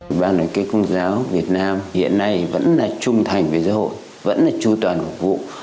ủy ban đoàn kết công giáo việt nam hiện nay vẫn là trung thành với giáo hội vẫn là tru toàn hợp vụ